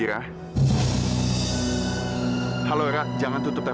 kamu jangan sedih